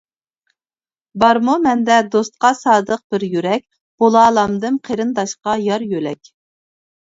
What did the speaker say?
بارمۇ مەندە دوستقا سادىق بىر يۈرەك، بولالامدىم قېرىنداشقا يار-يۆلەك.